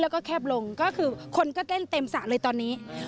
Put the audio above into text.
แล้วก็แคบลงก็คือคนก็เต้นเต็มสระเลยตอนนี้